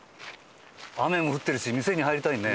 雨も降ってるし店に入りたいね。